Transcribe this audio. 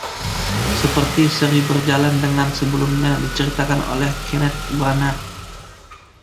Seperti seri "Berjalan dengan..." sebelumnya, diceritakan oleh Kenneth Branagh.